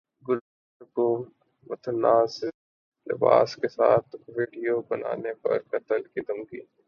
گلوکارہ کو متنازع لباس کے ساتھ ویڈیو بنانے پر قتل کی دھمکی